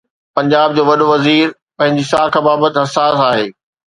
پنجاب جو وڏو وزير پنهنجي ساک بابت حساس آهي.